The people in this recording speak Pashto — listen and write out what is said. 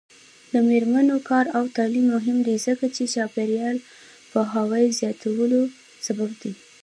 د میرمنو کار او تعلیم مهم دی ځکه چې چاپیریال پوهاوي زیاتولو سبب دی.